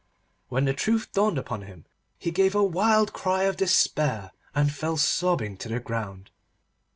When the truth dawned upon him, he gave a wild cry of despair, and fell sobbing to the ground.